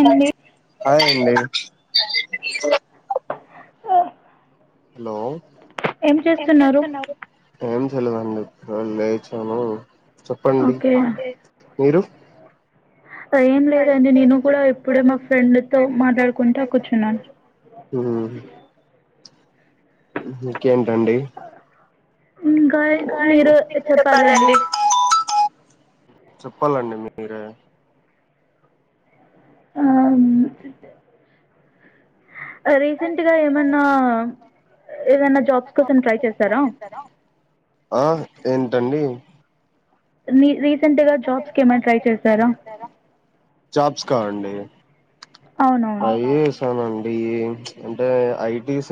అండి హాయ్ అండి హలో ఏం చేస్తున్నారు ఏం చేయలేదండి ఇప్పుడె లేచాను చెప్పండి ఓకే మీరు ఏం లేదండి నేను కూడా ఇప్పుడె మా ఫ్రెండ్ తో మాట్లాడుకుంటా కూర్చున్నాను మ్ ఇంకేంటండి ఇంకా మీరె చెప్పాలండి. చెప్పాలండి మీరె ఆ రీసెంట్గా ఏమన్నా ఏదన్న జాబ్ కోసం ట్రై చేస్తారా ఆ ఏంటండి ని రీసెంట్గా జాబ్కి ఏమైనా ట్రై చేసారా జాబ్స్ కా అండి అయి చేశాను అీ అంటే ఐటీస్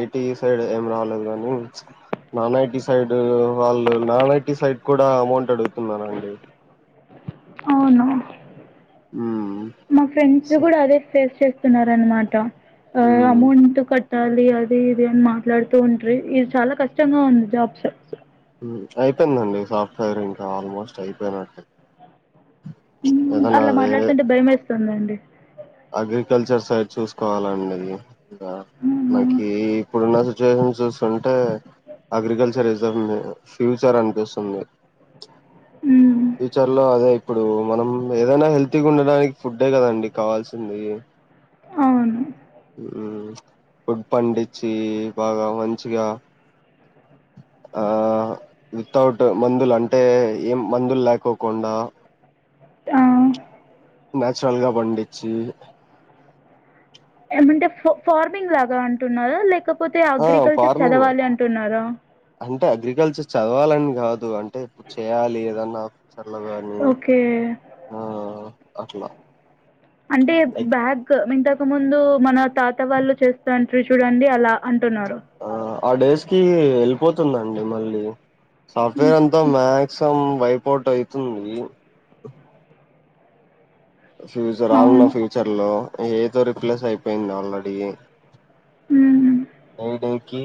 ఐటీ సైడ్ ఏమి రాలేదు కాగాని నాన్ ఐటీ సైడ్ వాళ్ళు నాన్ ఐటి సైడ్ కూడా అమౌంట్ అడుగుతున్నారండి అవున హ్మ్ మా ఫ్రెండ్స్ కూడా అదే చె చేస్తున్నార అనమాట అ మ్మ్ అమౌంట్ కట్ తలి అది ఇది అని మాట్లాడుతూ ఉంట్రి ఇది చాలా కష్టంగా ఉంది జాబ్స్ అయిపోయిందండి సాఫ్ట్వేర్ ఇంకా ఆల్మోస్ట్ అయిపోయినట్టే ఏదైనా అలా వేరే మాట్లాడుతుంటే భయం వేస్తుందండి అగ్రికల్చర్ సైడ్ చూసుకోవాలండి హ్మ్. నాకి ఇప్పుడు ఉన్నా సి సిచ్చవాషన్ చూస్తుంటే అగ్రికల్చర్ ఇజ ఫ్యూచర్ అనిపిస్తుంది హ్మ్. ఫ్యూచర్ లో అదే ఇప్పుడు మనం ఏదైనా హెల్తీగా ఉండడానికి ఫుడ్ ఏ కదండి కావాల్సింది అవును ఫుడ్ పండించి బాగా మంచిగా ఆ వితౌట్ మందులు అంటే ఏం మందులు లేకోకుండా ఆ నాచురల్ గా పండిచ్చి ఏమంటే ఫార్మింగ్ లాగా అంటున్నారు లేక కాకపోతే ఆ అగ్రికల్చర్ ఫార్మింగ్ చదవాలి అంటున్నారా అంటే అగ్రికల్చర్ చదవాలని కాదు అంటే చేయాలి ఏదన్నా చల్లగాని ఓకే. ఆ అట్లా అంటే లైక్ బ్యాగ మీ త ఇ ముందు మన తాత వాళ్ళు చేస్తంట్రి చూడండి అలా అ ఆ ఆ డేస్ కి వెల్పోతుందండి మళ్ళీ లివు సాఫ్ట్వేర్ అంతా మాక్సిమం వైపోటు అయితుంది ఫ్యూచర్ ఆన్న అవును. ఫ్యూచర్ లో ఏదో రిప్లేస్ అయిపోయింది ఆల్రెడీ హ్మ్ ఉ డే డేకి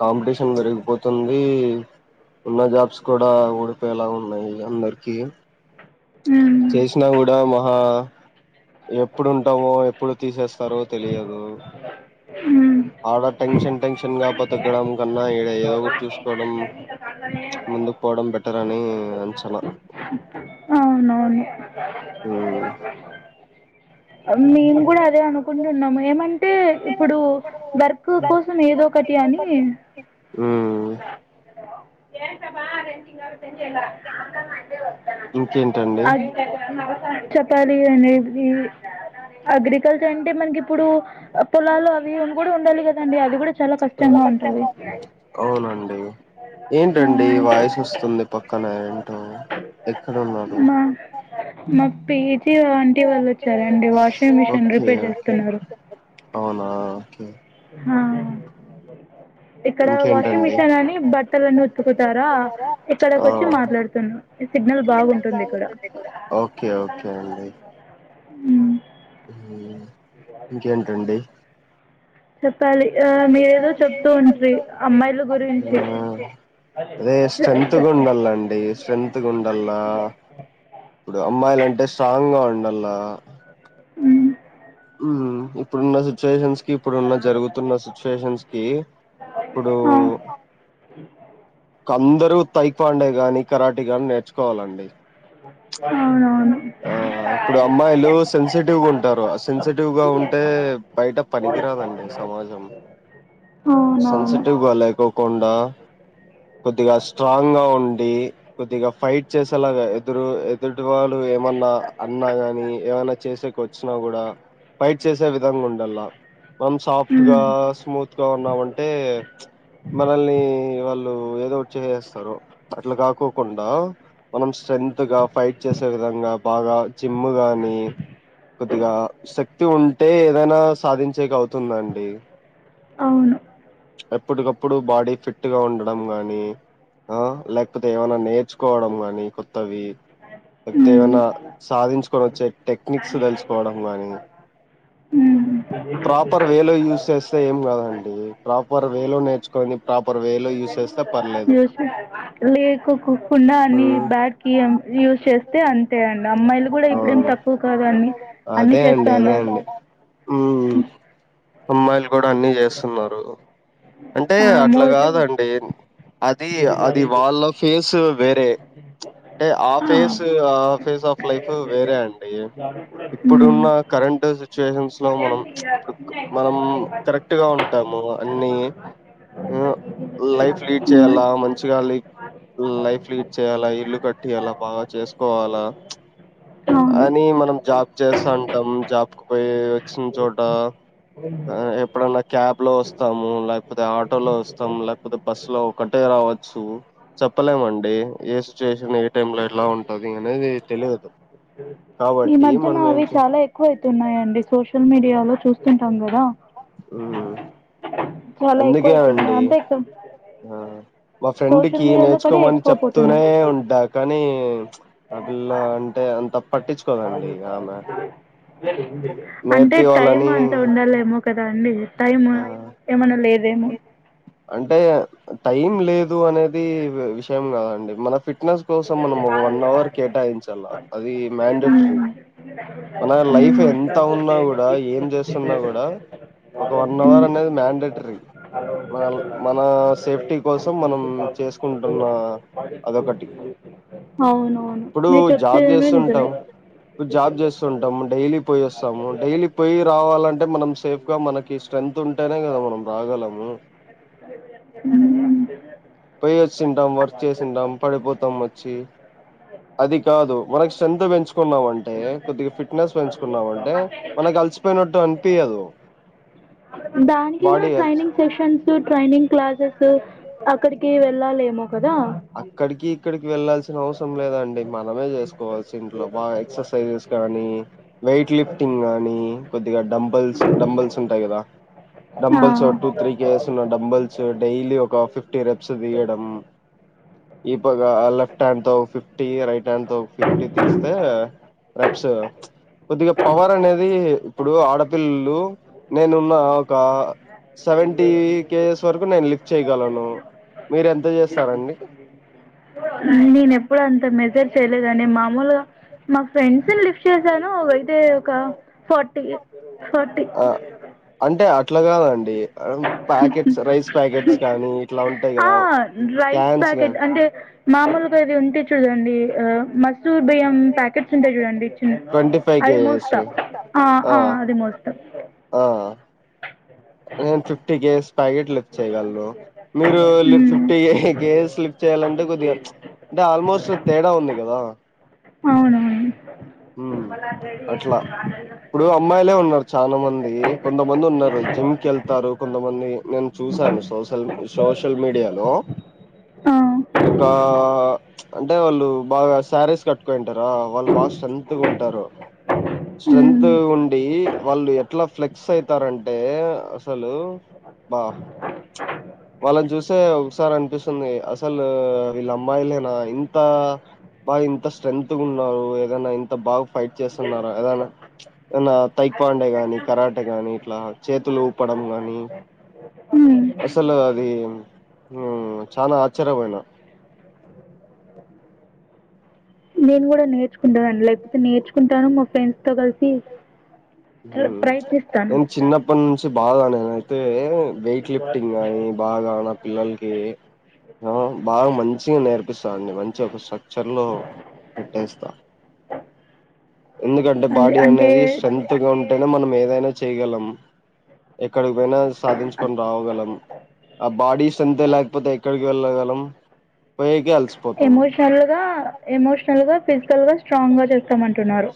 కాంపిటీషన్ పెరిగిపోతుంది ఉన్న జాబ్స్ కూడా ఊడిపోయేలా ఉన్నాయి అందరికి హ్మ్. చేసినా కూడా మహా ఎప్పుడుంటామో ఎప్పుడు తీసేస్తారో తెలియదు హ్మ్. అడ టెన్షన్ టెన్షన్ కాపొతే తగ్గడం కన్న ఇడ ఏదో ఒకటి చూసుకోవడం ముందుకు పోవడం బెటర్ అని చల అవునవును మేము కూడా అదే అనుకుంటున్నాము ఏమంటే ఇప్పుడు వర్క్ కోసం ఏదో ఒకటి అని మ్మ్ కేంటండి చెప్పాలి అండి అగ్రికల్చర్ అంటే మనకి ఇప్పుడు పొలాలు అవి కూడా ఉండాలి కదండి అది కూడా చాలా కష్టంగా ఉంటుంది అవునండి ఆ, ఏంటండి వాయిస్ వస్తుంది పక్కన ఏంటో ఎక్కడున్నారు మా మా పీజీ ఆంటీ వాళ్ళు వచ్చారండి washing machine okay repair okay చేస్తున్నారు అవునా ఓకే ఆ ఇక్కడ వాషింగ్ ఇంకేంటండి మిషిన్ అని బట్టలన్నీ ఉతుకుతారా ఇక్కడకి ఆ వచ్చి మాట్లాడుతున్నా సిగ్నల్ బాగుంటుంది ఇక్కడ ఓకే ఓకే అండి హ్మ్ హ్మ్ ఇంకేంటండి చెప్పాలి ఆ మీరేదో చెప్తూ ఉంట్రి అమ్మాయిల గురించి అదే స్ట్రేన్త్ ఉండాల అండి స్ట్రెన్త్ గా ఉండల్ల ఇప్పుడు అమ్మాయిల అంటే స్ట్రాంగ్ గా ఉండల్ల హ్మ్ హ్మ్ ఇప్పుడున్న సిచ్యువేషన్స్ క ఇప్పుడున్న జరుగుతున్న సిచ్యుయేషన్స్ కి ఇప్పుడు ఆ అందరుూ తై పాండే గాని కరాటి గాని నేర్చుకోవాలండి అవునవును ఆ ఇప్పుడు అమ్మాయిలు సెన్సిటివ్గా ఉంటారు సెన్సిటివ్గా ఉంటే బయట పనికిరాదండి సమాజం అవునవును సెన్సిటివ్గా లేకోకుండా కొద్దిగా స్ట్రాంగ్ గా ఉండి కొద్దిగా ఫైట్ చేసేలాగా ఎదురు ఎదుటి వాళ్ళు ఏమన్నా అన్నా గాని ఏమైన్నా చేసేకు వచ్చినా కూడా ఫైట్ చేసే విధంగా ఉండలా మనం సాఫ్ట్గా హ్మ్ స్మూత్ గా ఉన్నామంటే మనల్ని వాళ్ళు చేేసెస్తారు అట్లా కాకోకుండా మనం స్ట్రెన్త్ గా ఫైట్ చేసే విధంగా బాగా జిమ్ గాని కొద్దిగా శక్తి ఉంటే ఏదైనా సాధించేక అవుతుందండి అవును ఎప్పటికప్పుడు బాడీ ఫిట్ ట్గా ఉండడం గాని ఆ లేకపోతే ఏమనా నేర్చుకోవడం గానీ కొత్తవి అతే హ్మ్ ఏమైనా సాధించుకొని వచ్చే టెక్నిక్స్ తెలుసుకోవడం గానీ హ్మ్ ప్రాపర్ వే లో యూస్ చేస్తే ఏం కాదండి ప్రాపర్ వేలో నేర్చుకొని ప్రాపర్ వేలో యూజ్ చేస్తే పర్లేదు లేకు కు కుండా అన్ని బ్యాడ్ కి ఆన్ యూస్ చేస్తా అయితే అంతే అండి అమ్మాయిలు కూడా ఇప్పుడేం అవును తక్కువ కాద అని అన్ని చేస్తా ఉన్నారు మ్మ్ అమ్మాయిల్ కూడా అన్ని చేస్తున్నారు అంటే ఆ, అట్లా మోసం కాదండి అది అది వాళ్ళ ఫేస్ వేరే అంటే ఆ ఫేస్ ఆ ఫేజ ఆఫ్ లైఫ్ వేరే అండి ఇప్పుడున్న హ్మ్ కరెంట్ సిచ్యుయేషన్ లో మనం ఇప్పుడు మనం కరెక్ట్ గా ఉంటాము అన్ని అ లైఫ్ లీడ్ చేయాలా మంచిగా లీ లైఫ్ లీడ్ చేయాలా ఇల్లు కట్టియాల బాగా చేసుకోవాలా అవును అని మనం జాబ్ చేస్తా అంటాం జాబ్ కు పోయి వచ్చిన చోట ఎప్పుడన్నా క్యాబ్ లో వస్త ఆమ్మో లేకపోతే ఆటోలో వస్తాం లేకపోతే బస్ లో ఒకటె రావచ్చు చెప్పలేమండి ఏ సిచ్యుయేషన్ ఏ టైం లో ఎట్లా ఉంటందనేది తెలియదు ఈ కాబట్టి మధ్యన మనం ఏం అవి చే చాలా ఎక్కువ అయితున్నాయండి సోషల్ మీడియాలో చూస్తుంటాం కదా మ్మ్ చాలా అందుకే ఎక్కువైతున్నాయి అండి అంతే క ఆ మా ఫ్రెండ్కి నేర్చుకోమని చెప్తూనే పోతున్నాయి ఉంటా కానీ ఆ అ పిల్లా అంటే అంత పట్టించుకోదండి ఆమె అంటే టైం నేర్పివాలని అంత ఉండాలేమో కద్ దా అండి టైము ఆ ఏమన్నా లేదేమో అంటే టైం లేదు అనేది విషయం కాదండి మన ఫిట్ ఫిట్నెస్ కోసం మనం ఒక వన్ అవర్ కేటాయించాల అది మ్యాండటరీ ఉమ్. మన లైఫ్ ఎంత ఉన్నా కూడా ఏం జెస్తున్నా కూడా వన్ అవర్ అనేది మ్యాండేటరీ మన మన సేఫ్టీ కోసం మనం చేసుకుంటున్న అదొకటి అవునవును ఇప్పుడు మీరు చెప్తుంది జాబ్ ఏమో నిజమే చేస్తుంటం ఇప్పుడు జాబ్ చేస్తుంటం డైలీ పో్యి వస్తాము డైలీ పోయి రావాలంటే మనం సేఫ్ గా మనకు కి స్ట్రెంత్ ఉంటేనే కదా మనం రాగలము పోయి వచ్చింటాం వర్క్ చేసింటాం పడిపోతాం వ చ్చి అది కాదు మనకు స్ట్రెంత్ పెంచుకున్నామంటే కొద్దిగా ఫిట్నెస్ పెంచుకున్నామంటే మనకు అలసిపోయినట్టు అనిపీయదు దానికి కూడా ట్రైనింగ్ సెషన్ ఈ ట్రైనింగ్ క్లాసెస్ అక్కడికి వెళ్ళాలేమో కదా అక్కడికి ఇక్కడికి వెళ్లాల్సి చ్చిన అవసరం లేదండి మనమే చేసుకోవల్సి ఇంట్లో బాగా ఎక్సర్సైజెస్ గానీ వెయిట్ లిఫ్టింగ్ గానీ కొద్దిగా డంబల్స్ డంబల్స్ ఉంటాయి కదా డంబల్స్ ఓ టూ త్రీ కేజెస్ ఉన్న డంబల్స్ డైలీ ఒక ఫిఫ్టీ రెప్స్ దియడం ఈ పక్కా లెఫ్ట్ హ్యాండ్ తో ఫిఫ్ ఫిఫ్టీ రైట్ హ్యాండ్ తో ఫిఫ్టీ రెప్స్ కొద్దిగా పవర్ అనేది ఇప్పుడు ఆడపిల్లలు నేనున్న ఒక సెవెంటీ కేజెస్ వరకు నేను లిఫ్ట్ చేయగలను మీరు ఎంత చేస్తారండి నేనుప్పుడు అంత మెజర్ చేయలేదని మామూలుగా మా ఫ్రెండ్స్ ని లిఫ్ట్ చేశాను అయితే ఒక ఫార్టీ ఫార్టీ ఆ అంటే అట్లా కాదండి ప్యాకెట్స్ రైస్ ప్యాకెట్స్ కానీ ఇట్లా ఉంటాయి కదా ఆ క్యాన్స్ కానీ వేరేది ఉంటే చూడండి మ టూ బియ్యం ప్యాకెట్స్ ఉంటాయి చూడండి ఇ చిన్ ట్వంటీ ఫైవ్ అది కేజెస్ మోస్తా ఆ అది మోస్తా ఆ నేన్ ఫిఫ్టీ కేజేస్ ప్యాకెట్ లిఫ్ట్ చేయగలను మీరు లి మ్మ్ ఫిఫ్టీ కేజెస్ లిఫ్ట్ చెయ్యాలంటే కొద్దిగా అంటే ఆల్మోస్ట్ తేడా ఉంది కదా అవునవును మ్మ్ అట్లా ఇప్పుడు అమ్మాయిలే ఉన్నారు చాలా మంది కొంతమంది ఉన్నారు జిమ్కి వెళ్తారు కొంతమంది నేను చూశాను సోషల్ సోషల్ మీడియాలో ఆ ఒక అ అంటే వాళ్ళు బాగా సారీస్ కట్టుకోయి ఉంటారా వాళ్ళ బాశ్లన్ స్ట్రెంత్ ఉంటారు మ్మ్ స్ట్రెంత్ ఉండి వాళ్ళు ఎట్లా ఫ్లెక్స్ అయితారంటే హలో అబ్బా వాళ్ళన్ చూస్తే ఒకసారి అనిపిస్తుంది అసలు వీళ్ళ అమ్మాయిలేనా ఇంత బాగా ఇంత స్ట్రెంగ్త్ గున్నారు ఏదైనా ఇంత అంత బాగా ఫైట్ చేస్తున్నారన్న ఏదనా ఏ తైక్పాండే గాని కరాటే గాని ఇట్లా చేతులు ఊపడం గాని మ్మ్ అసలు అది హు చానా ఆశ్చర్యపోయిన నేను కూడా నేర్చుకుంటానన్ లే అయితే నేర్చుకుంటాను మా ఫ్రెండ్ ఫ్రెండ్స్ తోకల్సీ హు నేను చిన్నప్పటినుంచి నుంచి బాగా నేను అయితే వెయిట్ లిఫ్టింగ్ కానీ బాగా నా పిల్లలకి ఆ బాగా మంచిగా నేర్పిస్త అండి మంచిగా ఒక స్ట్రక్చర్ లో పెట్టేస్తా ఎందుకంటే అది బాడీ అంటే అనేది స్ట్రెంత్ గా ఉంటేనే మనం ఏదైనా చేయగలం ఎక్కడకి పోయినా సాధించుకొని రావగలం ఆ బాడీస్ స్ట్రెంతే లేకపోతే ఎక్కడికి వెళ్ళగలం పోయకి వెళ్త ఎమోషనల్ గ ఎమోషనల్ గా ఫిజికల్ గా స్ట్రాంగ్ గా చేస్తామ్ అంటున్నారు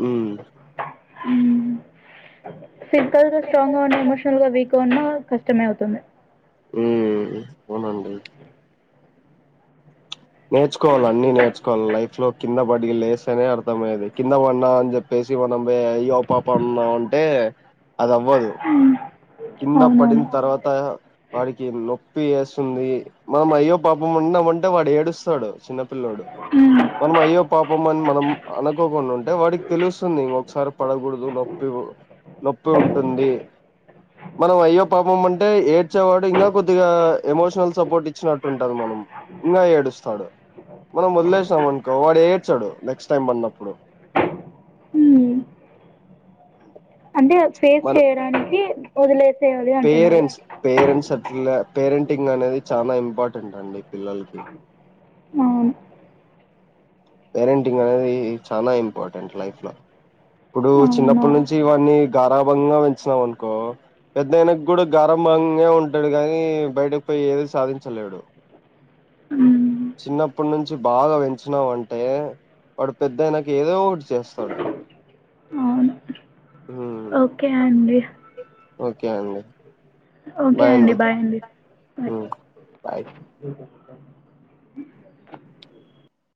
హ్మ్ ఫిజికల్గా స్ట్రాంగ్ గా ఉన్నా ఎమోషనల్ గా వీక్గా ఉన్నా కష్టమే అవుతుంది హ్మ్మ్ అవునండి నేర్చుకోవాలి అన్ని నేర్చుకోవాలి లైఫ్ లో కింద పడి లేస్తేనే అర్థమయ్యది కింద పడిన్నా అని చెప్పేసి మనం అయ్యో పాపన్నా అంటే అద అవ్వదు కింద అవునవును పడింతర్వాత వాడికి నొప్పి చేస్తుంది మనం అయ్యో పాపం అన్నాము అంటే వాడు ఏడుస్తాడు చిన్నపిల్లోడు మనం అనుకోకుండా ఉంటే వాడికి తెలుస్తుంది ఇంఒకసారి పడకూడదు నొప్పి నొప్పి ఉంటుంది మనం అయ్యో పాపం ఆంటే ఏడ్చేవాడు ఇంకా కొద్దిగా ఎమోషనల్ సపోర్ట్ ఇచ్చినట్టుంటది మనం ఇంకా ఏడుస్తాడు మనం వదిలేసినాం అనుకో వాడు ఏడ్చడు నెక్స్ట్ టైం పడినప్పుడు అంటే ఫేస్ మనం చేయడానికి వదిలేసేయాలి అంటున్నరు పేరెంట్స్ పేరెంట్స్ అట్లా పేరెంటింగ్ అనేది చాలా ఇంపార్టెంట్ అండి పిల్లలకి అవును పేరెంటింగ్ అనేది చానా ఇంపార్టెంట్ లైఫ్ లో ఇప్పుడు చిన్నప్పటి అవునవును నుంచి వాన్నీ గారాభంగా పెంచినాం అనుకో పెద్దఐనంక కూడా గారాభంగా ఉంటాడు కానీ బయటకు పోయి ఏది సాధించలేడు చిన్నప్పటి నుంచి బాగా పెంచినాం అంటే వాడు పెద్దయినక ఏదో ఒకటి చేస్తాడు అవును ఓకే అండి ఓకే అండి ఓకే అండి బాయ్ అండి బాయ్ బాయ్